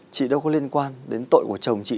chị đâu có liên quan đến tội của chồng chị